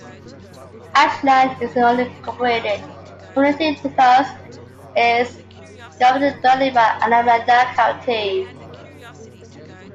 Ashland is an unincorporated community and thus is governed directly by Alameda County.